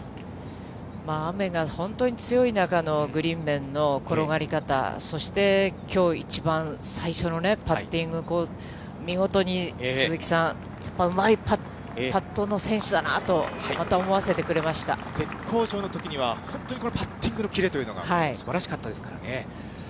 雨が本当に強い中のグリーン面の転がり方、そして、きょう一番最初のパッティング、見事に鈴木さん、やっぱうまいパットの選手だなと、絶好調のときには、本当にこのパッティングの切れというのがすばらしかったですからね。